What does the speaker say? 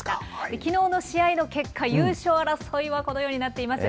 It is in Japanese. きのうの試合の結果、優勝争いはこのようになっています。